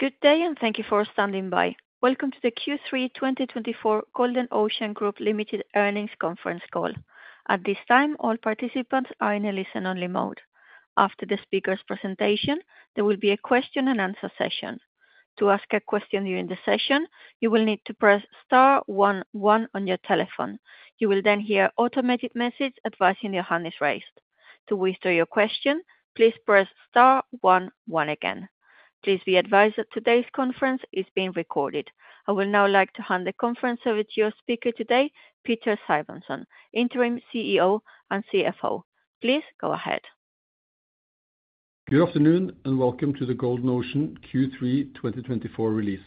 Good day, and thank you for standing by. Welcome to the Q3 2024 Golden Ocean Group Limited Earnings Conference Call. At this time, all participants are in a listen-only mode. After the speaker's presentation, there will be a question-and-answer session. To ask a question during the session, you will need to press star one one on your telephone. You will then hear an automated message advising your hand is raised. To withdraw your question, please press star one one again. Please be advised that today's conference is being recorded. I would now like to hand the conference over to your speaker today, Peder Simonsen, Interim CEO and CFO. Please go ahead. Good afternoon, and welcome to the Golden Ocean Q3 2024 release.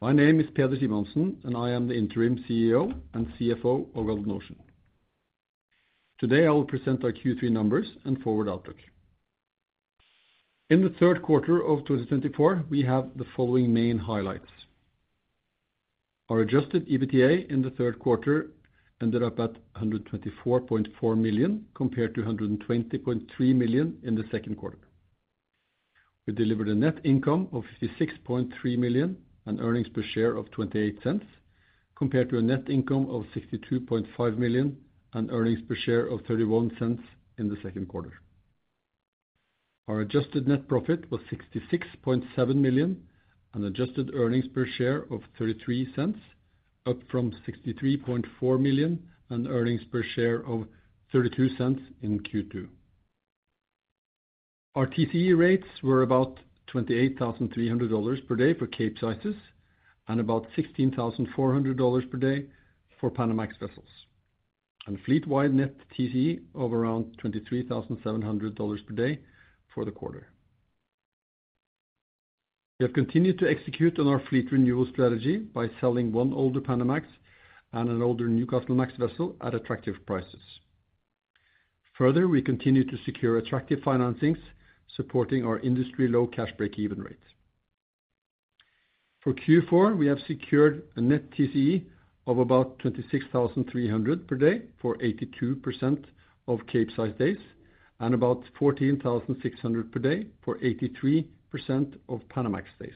My name is Peder Simonsen, and I am the Interim CEO and CFO of Golden Ocean. Today, I will present our Q3 numbers and forward outlook. In the Q3 of 2024, we have the following main highlights: our adjusted EBITDA in the Q3 ended up at $124.4 million compared to $120.3 million in the Q2. We delivered a net income of $56.3 million and earnings per share of $0.28 compared to a net income of $62.5 million and earnings per share of $0.31 in the Q2. Our adjusted net profit was $66.7 million and adjusted earnings per share of $0.33, up from $63.4 million and earnings per share of $0.32 in Q2. Our TCE rates were about $28,300 per day for Capesize and about $16,400 per day for Panamax vessels, and fleet-wide net TCE of around $23,700 per day for the quarter. We have continued to execute on our fleet renewal strategy by selling one older Panamax and an older Newcastlemax vessel at attractive prices. Further, we continue to secure attractive financings supporting our industry low cash break-even rate. For Q4, we have secured a net TCE of about 26,300 per day for 82% of Capesize days and about 14,600 per day for 83% of Panamax days.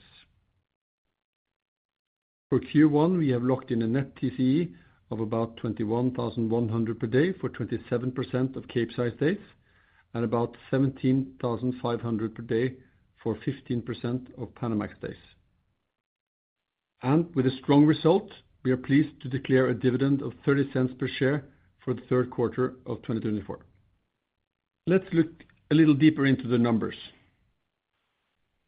For Q1, we have locked in a net TCE of about 21,100 per day for 27% of Capesize days and about 17,500 per day for 15% of Panamax days. With a strong result, we are pleased to declare a dividend of $0.30 per share for the Q3 of 2024. Let's look a little deeper into the numbers.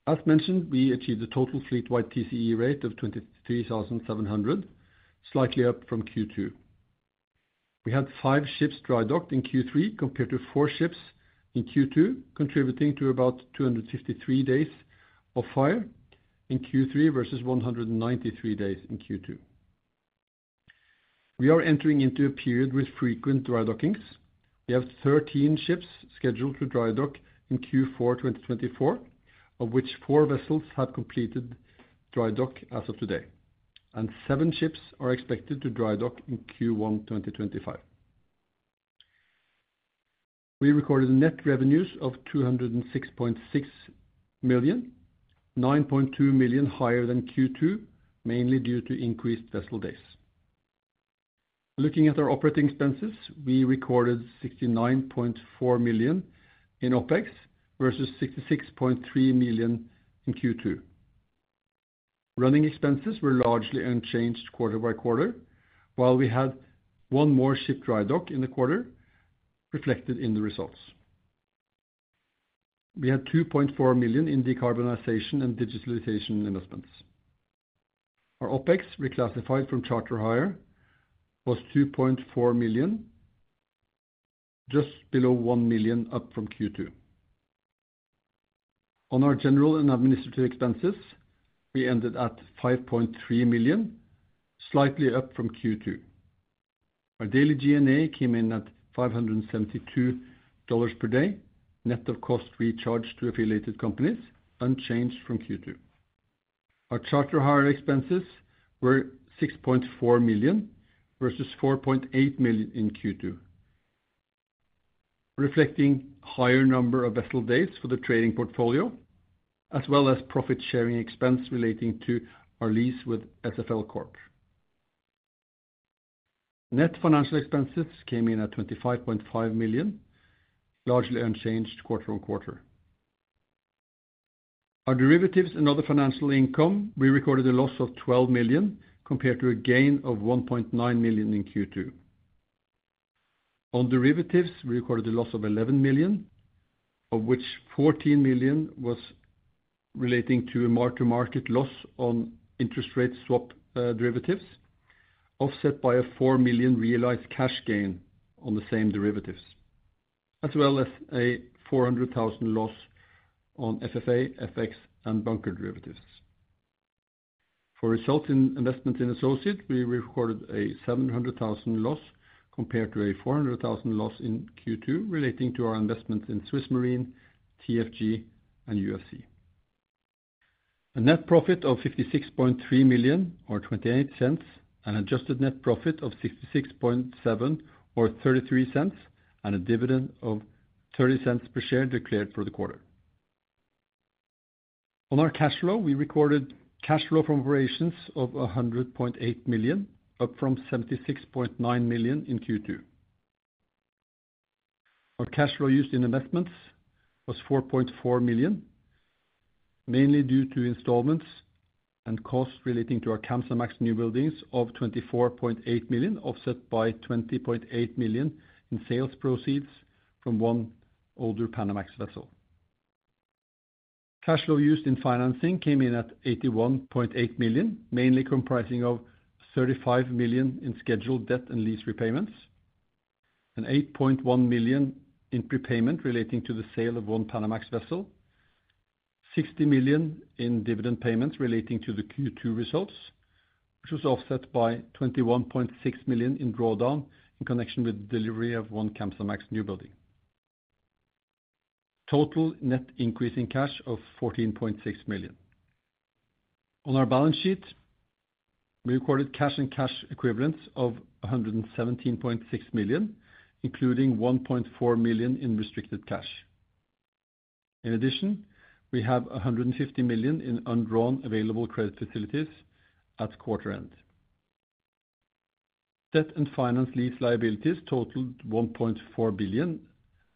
As mentioned, we achieved a total fleet-wide TCE rate of $23,700, slightly up from Q2. We had five ships dry-docked in Q3 compared to four ships in Q2, contributing to about 253 days of off-hire in Q3 versus 193 days in Q2. We are entering into a period with frequent dry dockings. We have 13 ships scheduled to dry-dock in Q4 2024, of which four vessels have completed dry dock as of today, and seven ships are expected to dry-dock in Q1 2025. We recorded net revenues of $206.6 million, $9.2 million higher than Q2, mainly due to increased vessel days. Looking at our operating expenses, we recorded $69.4 million in OPEX versus $66.3 million in Q2. Running expenses were largely unchanged quarter by quarter, while we had one more ship dry dock in the quarter reflected in the results. We had $2.4 million in decarbonization and digitalization investments. Our OPEX reclassified from charter hire was $2.4 million, just below $1 million up from Q2. On our general and administrative expenses, we ended at $5.3 million, slightly up from Q2. Our daily G&A came in at $572 per day, net of cost recharged to affiliated companies, unchanged from Q2. Our charter hire expenses were $6.4 million versus $4.8 million in Q2, reflecting a higher number of vessel days for the trading portfolio, as well as profit-sharing expense relating to our lease with SFL Corp. Net financial expenses came in at $25.5 million, largely unchanged quarter on quarter. Our derivatives and other financial income: we recorded a loss of $12 million compared to a gain of $1.9 million in Q2. On derivatives, we recorded a loss of $11 million, of which $14 million was relating to a mark-to-market loss on interest rate swap derivatives, offset by a $4 million realized cash gain on the same derivatives, as well as a $400,000 loss on FFA, FX, and bunker derivatives. For results in investments in associates, we recorded a $700,000 loss compared to a $400,000 loss in Q2 relating to our investments in Swiss Marine, TFG, and UFC. A net profit of $56.3 million, or $0.28, and an adjusted net profit of $66.7 million, or $0.33, and a dividend of $0.30 per share declared for the quarter. On our cash flow, we recorded cash flow from operations of $100.8 million, up from $76.9 million in Q2. Our cash flow used in investments was $4.4 million, mainly due to installments and costs relating to our Kamsarmax newbuildings of $24.8 million, offset by $20.8 million in sales proceeds from one older Panamax vessel. Cash flow used in financing came in at $81.8 million, mainly comprising of $35 million in scheduled debt and lease repayments, an $8.1 million in prepayment relating to the sale of one Panamax vessel, $60 million in dividend payments relating to the Q2 results, which was offset by $21.6 million in drawdown in connection with the delivery of one Kamsarmax newbuilding, total net increase in cash of $14.6 million. On our balance sheet, we recorded cash and cash equivalents of $117.6 million, including $1.4 million in restricted cash. In addition, we have $150 million in undrawn available credit facilities at quarter end. Debt and finance lease liabilities totaled $1.4 billion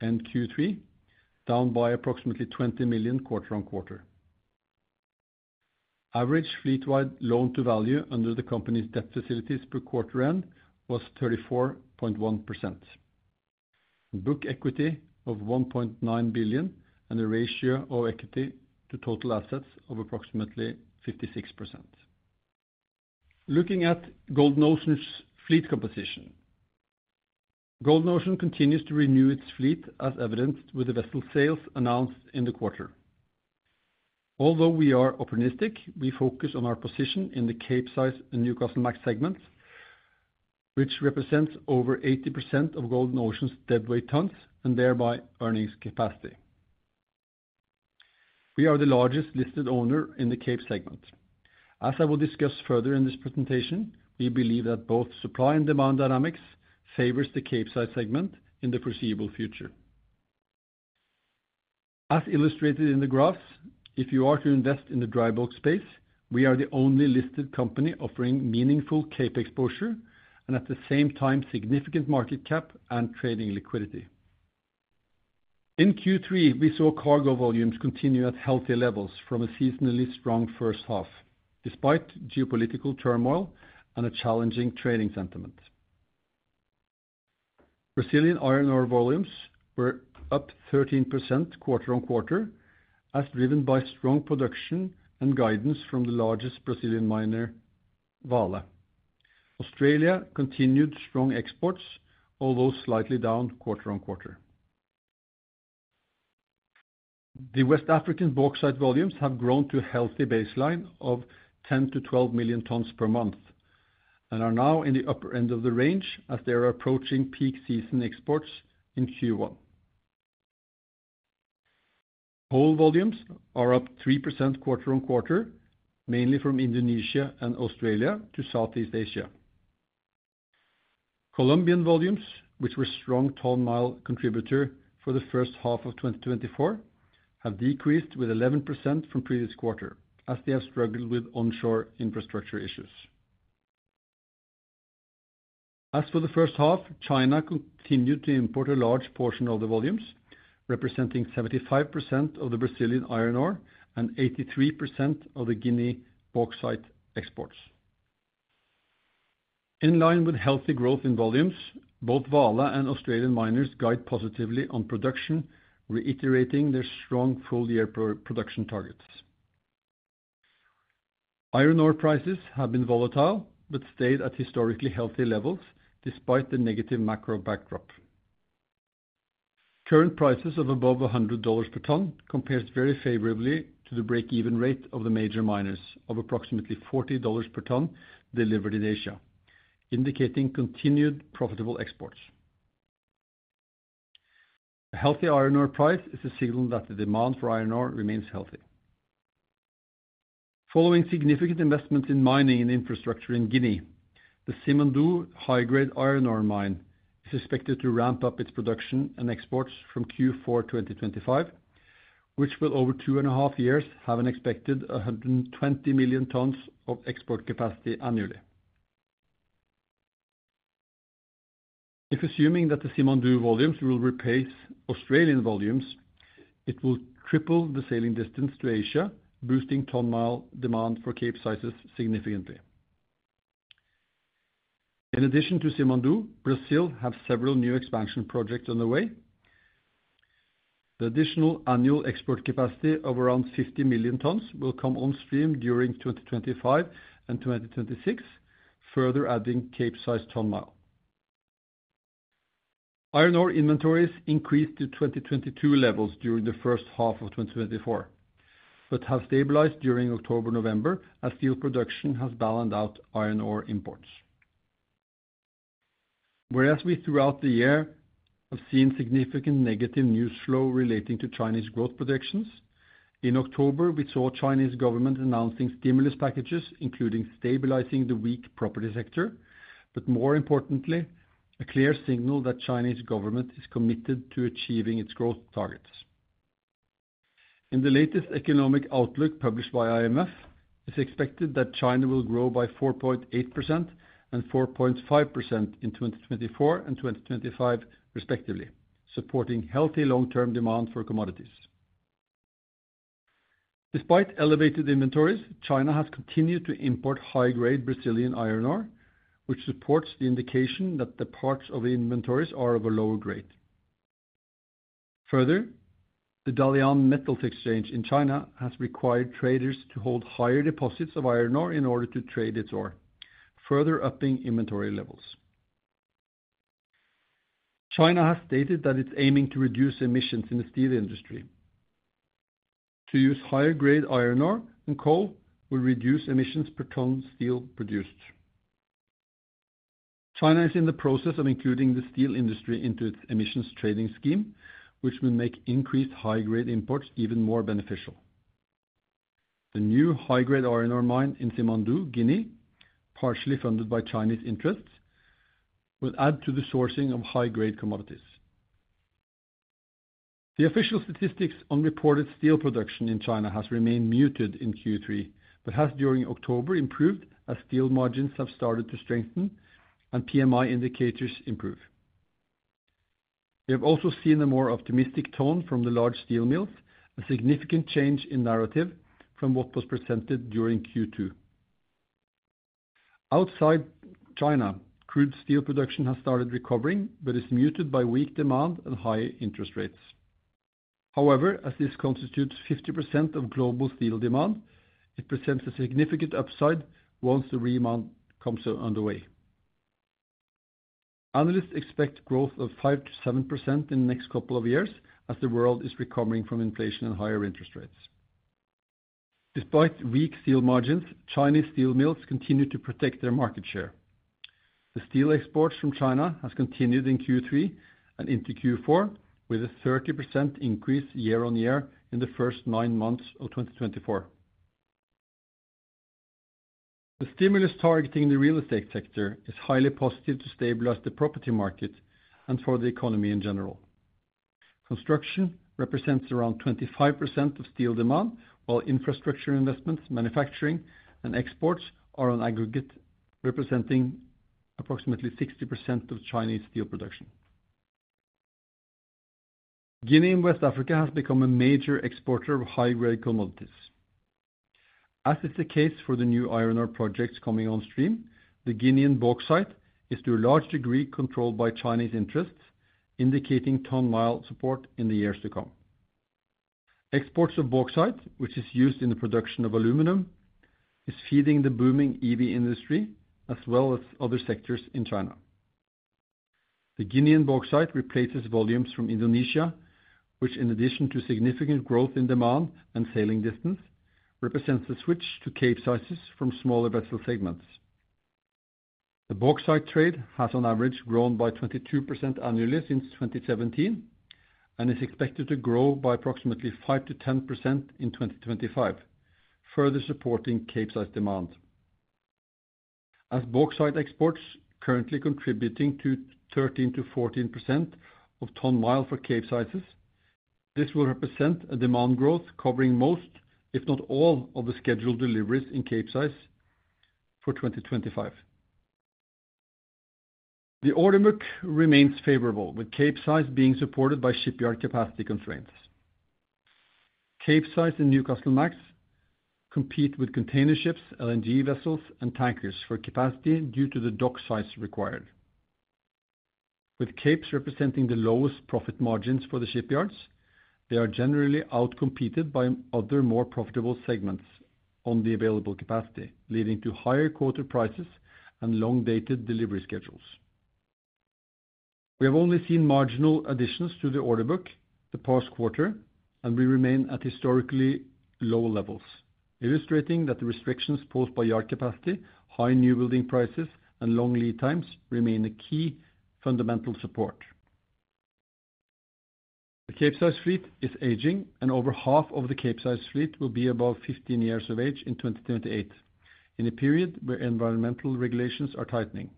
end Q3, down by approximately $20 million quarter on quarter. Average fleet-wide loan to value under the company's debt facilities per quarter end was 34.1%, book equity of $1.9 billion, and a ratio of equity to total assets of approximately 56%. Looking at Golden Ocean's fleet composition, Golden Ocean continues to renew its fleet, as evidenced with the vessel sales announced in the quarter. Although we are opportunistic, we focus on our position in the Capesize and Newcastlemax segments, which represents over 80% of Golden Ocean's deadweight tons and thereby earnings capacity. We are the largest listed owner in the Capesize segment. As I will discuss further in this presentation, we believe that both supply and demand dynamics favor the Capesize segment in the foreseeable future. As illustrated in the graphs, if you are to invest in the dry bulk space, we are the only listed company offering meaningful Capesize exposure and at the same time significant market cap and trading liquidity. In Q3, we saw cargo volumes continue at healthy levels from a seasonally strong first half, despite geopolitical turmoil and a challenging trading sentiment. Brazilian iron ore volumes were up 13% quarter on quarter, as driven by strong production and guidance from the largest Brazilian miner, Vale. Australia continued strong exports, although slightly down quarter on quarter. The West African bauxite volumes have grown to a healthy baseline of 10-12 million tons per month and are now in the upper end of the range as they are approaching peak season exports in Q1. Coal volumes are up 3% quarter on quarter, mainly from Indonesia and Australia to Southeast Asia. Colombian volumes, which were a strong tonnage contributor for the first half of 2024, have decreased with 11% from previous quarter as they have struggled with onshore infrastructure issues. As for the first half, China continued to import a large portion of the volumes, representing 75% of the Brazilian iron ore and 83% of the Guinea bauxite exports. In line with healthy growth in volumes, both Vale and Australian miners guide positively on production, reiterating their strong full-year production targets. Iron ore prices have been volatile but stayed at historically healthy levels despite the negative macro backdrop. Current prices of above $100 per ton compare very favorably to the break-even rate of the major miners of approximately $40 per ton delivered in Asia, indicating continued profitable exports. A healthy iron ore price is a signal that the demand for iron ore remains healthy. Following significant investments in mining and infrastructure in Guinea, the Simandou high-grade iron ore mine is expected to ramp up its production and exports from Q4 2025, which will over two and a half years have an expected 120 million tons of export capacity annually. If assuming that the Simandou volumes will replace Australian volumes, it will triple the sailing distance to Asia, boosting tonnage demand for Capesize significantly. In addition to Simandou, Brazil has several new expansion projects underway. The additional annual export capacity of around 50 million tons will come on stream during 2025 and 2026, further adding Capesize tonnage. Iron ore inventories increased to 2022 levels during the first half of 2024 but have stabilized during October-November as steel production has balanced out iron ore imports. Whereas we throughout the year have seen significant negative news flow relating to Chinese growth projections, in October we saw Chinese government announcing stimulus packages including stabilizing the weak property sector, but more importantly, a clear signal that Chinese government is committed to achieving its growth targets. In the latest economic outlook published by IMF, it is expected that China will grow by 4.8% and 4.5% in 2024 and 2025, respectively, supporting healthy long-term demand for commodities. Despite elevated inventories, China has continued to import high-grade Brazilian iron ore, which supports the indication that the parts of the inventories are of a lower grade. Further, the Dalian Commodity Exchange in China has required traders to hold higher deposits of iron ore in order to trade its ore, further upping inventory levels. China has stated that it's aiming to reduce emissions in the steel industry. To use higher-grade iron ore and coal will reduce emissions per ton steel produced. China is in the process of including the steel industry into its emissions trading scheme, which will make increased high-grade imports even more beneficial. The new high-grade iron ore mine in Simandou, Guinea, partially funded by Chinese interests, will add to the sourcing of high-grade commodities. The official statistics on reported steel production in China has remained muted in Q3 but has during October improved as steel margins have started to strengthen and PMI indicators improve. We have also seen a more optimistic tone from the large steel mills, a significant change in narrative from what was presented during Q2. Outside China, crude steel production has started recovering but is muted by weak demand and high interest rates. However, as this constitutes 50% of global steel demand, it presents a significant upside once the rebound comes underway. Analysts expect growth of 5%-7% in the next couple of years as the world is recovering from inflation and higher interest rates. Despite weak steel margins, Chinese steel mills continue to protect their market share. The steel exports from China have continued in Q3 and into Q4 with a 30% increase year-on-year in the first nine months of 2024. The stimulus targeting the real estate sector is highly positive to stabilize the property market and for the economy in general. Construction represents around 25% of steel demand, while infrastructure investments, manufacturing, and exports are on aggregate, representing approximately 60% of Chinese steel production. Guinea and West Africa have become a major exporter of high-grade commodities. As is the case for the new iron ore projects coming on stream, the Guinean bauxite is to a large degree controlled by Chinese interests, indicating tonnage support in the years to come. Exports of bauxite, which is used in the production of aluminum, is feeding the booming EV industry as well as other sectors in China. The Guinean bauxite replaces volumes from Indonesia, which, in addition to significant growth in demand and sailing distance, represents a switch to Capesize from smaller vessel segments. The bauxite trade has on average grown by 22% annually since 2017 and is expected to grow by approximately 5%-10% in 2025, further supporting Capesize demand. As bauxite exports currently contributing to 13%-14% of tonnage for Capesize, this will represent a demand growth covering most, if not all, of the scheduled deliveries in Capesize for 2025. The order book remains favorable, with Capesize being supported by shipyard capacity constraints. Capesize and Newcastlemax compete with container ships, LNG vessels, and tankers for capacity due to the dock size required. With Capes representing the lowest profit margins for the shipyards, they are generally outcompeted by other more profitable segments on the available capacity, leading to higher cap prices and long-dated delivery schedules. We have only seen marginal additions to the order book the past quarter, and we remain at historically low levels, illustrating that the restrictions posed by yard capacity, high newbuilding prices, and long lead times remain a key fundamental support. The Capesize fleet is aging, and over half of the Capesize fleet will be above 15 years of age in 2028, in a period where environmental regulations are tightening.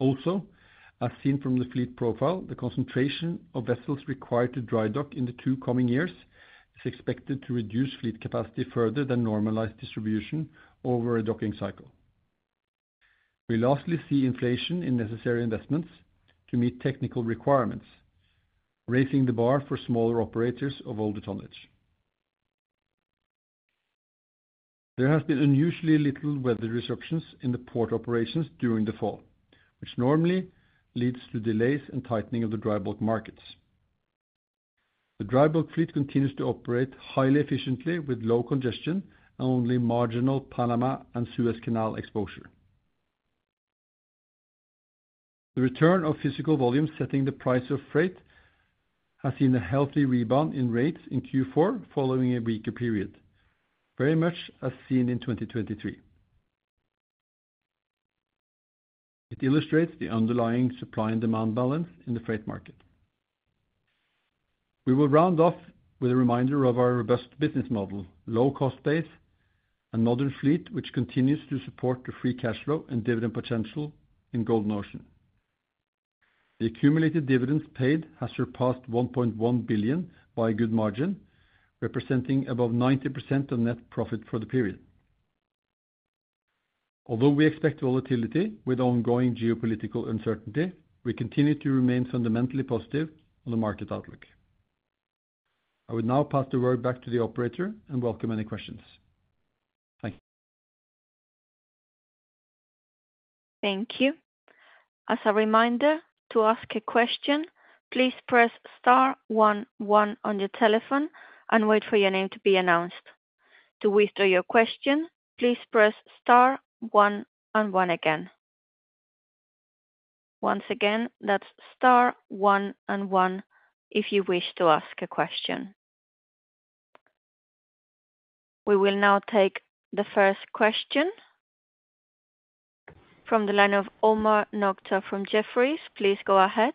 Also, as seen from the fleet profile, the concentration of vessels required to dry dock in the two coming years is expected to reduce fleet capacity further than normalized distribution over a docking cycle. We lastly see inflation in necessary investments to meet technical requirements, raising the bar for smaller operators of older tonnage. There has been unusually little weather disruptions in the port operations during the fall, which normally leads to delays and tightening of the dry bulk markets. The dry bulk fleet continues to operate highly efficiently with low congestion and only marginal Panama Canal and Suez Canal exposure. The return of physical volumes setting the price of freight has seen a healthy rebound in rates in Q4 following a weaker period, very much as seen in 2023. It illustrates the underlying supply and demand balance in the freight market. We will round off with a reminder of our robust business model, low cost base, and modern fleet, which continues to support the free cash flow and dividend potential in Golden Ocean. The accumulated dividends paid have surpassed $1.1 billion by a good margin, representing above 90% of net profit for the period. Although we expect volatility with ongoing geopolitical uncertainty, we continue to remain fundamentally positive on the market outlook. I will now pass the word back to the operator and welcome any questions. Thank you. Thank you. As a reminder, to ask a question, please press star one one on your telephone and wait for your name to be announced. To withdraw your question, please press star 11 again. Once again, that's star one one if you wish to ask a question. We will now take the first question from the line of Omar Nokta from Jefferies. Please go ahead.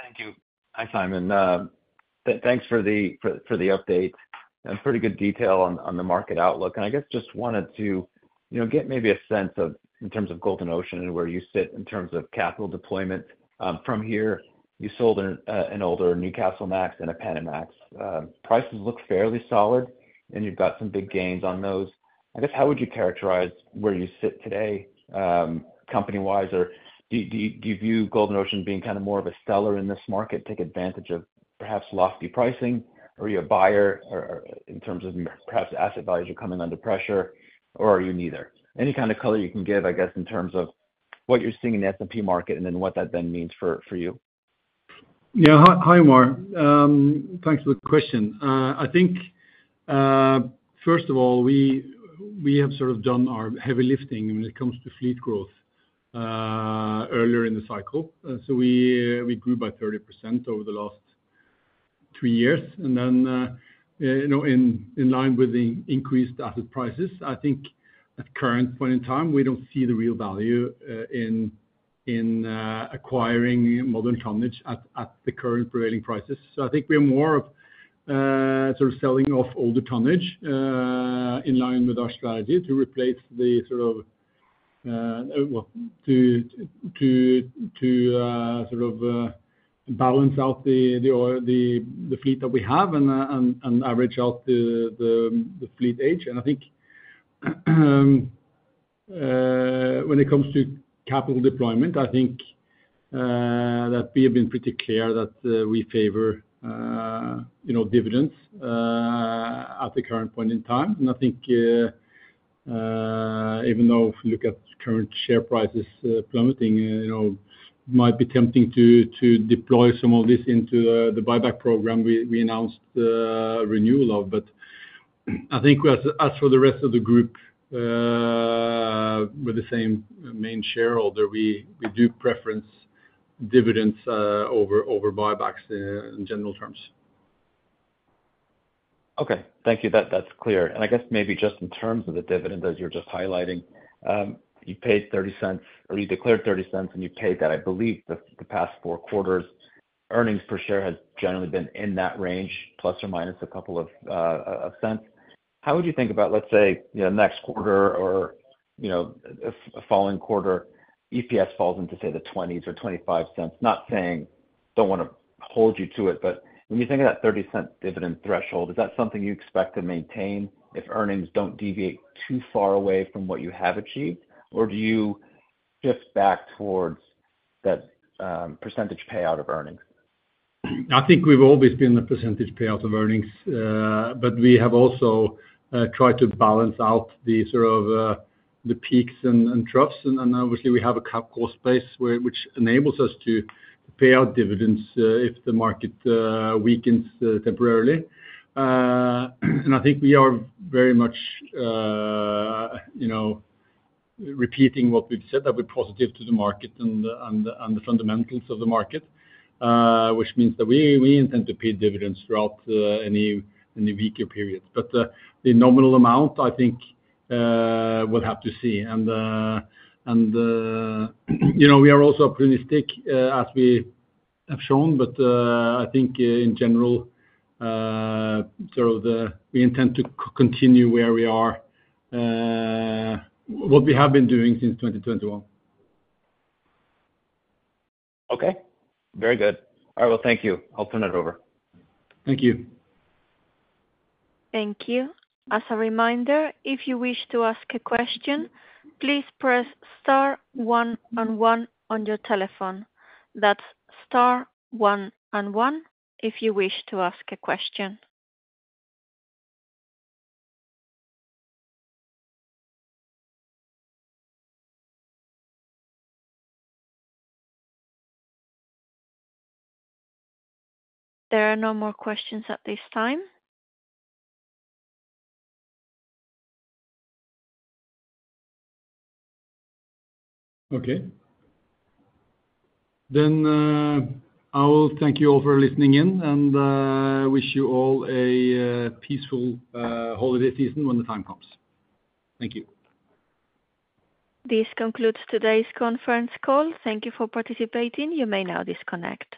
Thank you. Hi, Simonsen. Thanks for the update. Pretty good detail on the market outlook, and I guess just wanted to get maybe a sense of, in terms of Golden Ocean and where you sit in terms of capital deployment. From here, you sold an older Newcastle Max and a Panamax. Prices look fairly solid, and you've got some big gains on those. I guess, how would you characterize where you sit today company-wise? Or do you view Golden Ocean being kind of more of a seller in this market, take advantage of perhaps lofty pricing? Are you a buyer in terms of perhaps asset values are coming under pressure, or are you neither? Any kind of color you can give, I guess, in terms of what you're seeing in the S&P market and then what that then means for you. Yeah. Hi, Omar. Thanks for the question. I think, first of all, we have sort of done our heavy lifting when it comes to fleet growth earlier in the cycle. So we grew by 30% over the last three years. And then, in line with the increased asset prices, I think at current point in time, we don't see the real value in acquiring modern tonnage at the current prevailing prices. So I think we are more of sort of selling off older tonnage in line with our strategy to replace, well, to sort of balance out the fleet that we have and average out the fleet age. And I think when it comes to capital deployment, I think that we have been pretty clear that we favor dividends at the current point in time. And I think even though if you look at current share prices plummeting, it might be tempting to deploy some of this into the buyback program we announced renewal of. But I think as for the rest of the group, with the same main shareholder, we do preferred dividends over buybacks in general terms. Okay. Thank you. That's clear. And I guess maybe just in terms of the dividend, as you're just highlighting, you paid $0.30, or you declared $0.30, and you paid that, I believe, the past four quarters. Earnings per share has generally been in that range, plus or minus a couple of cents. How would you think about, let's say, next quarter or following quarter, EPS falls into, say, the $0.20s or $0.25? Not saying I don't want to hold you to it, but when you think of that $0.30 dividend threshold, is that something you expect to maintain if earnings don't deviate too far away from what you have achieved, or do you shift back towards that percentage payout of earnings? I think we've always been the percentage payout of earnings, but we have also tried to balance out the sort of peaks and troughs, and obviously, we have a low cost base, which enables us to pay out dividends if the market weakens temporarily, and I think we are very much repeating what we've said that we're positive to the market and the fundamentals of the market, which means that we intend to pay dividends throughout any weaker periods, but the nominal amount, I think, we'll have to see. And we are also optimistic, as we have shown, but I think in general, sort of we intend to continue where we are, what we have been doing since 2021. Okay. Very good. All right. Well, thank you. I'll turn it over. Thank you. Thank you. As a reminder, if you wish to ask a question, please press star one one on your telephone. That's star one one if you wish to ask a question. There are no more questions at this time. Okay. Then I will thank you all for listening in and wish you all a peaceful holiday season when the time comes. Thank you. This concludes today's conference call. Thank you for participating. You may now disconnect.